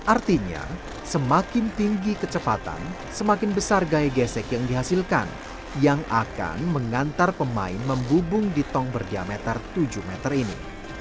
artinya semakin tinggi kecepatan semakin besar gaya gesek yang dihasilkan yang akan mengantar pemain membubung di tong berdiameter tujuh meter ini